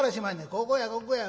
「ここやここや。